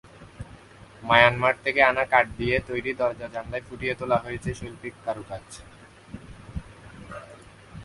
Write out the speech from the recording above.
Myanmar থেকে আনা কাঠ দিয়ে তৈরি দরজা-জানালায় ফুটিয়ে তোলা হয়েছে শৈল্পিক কারুকাজ।